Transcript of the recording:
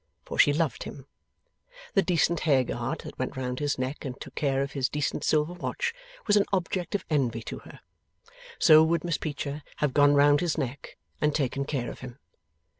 For she loved him. The decent hair guard that went round his neck and took care of his decent silver watch was an object of envy to her. So would Miss Peecher have gone round his neck and taken care of him.